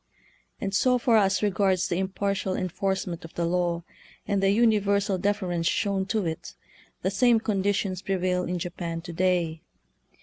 And so far as re gards the impartial enforcement of the law, and the universal deference shown to it, the same conditions prevail in Japan to day.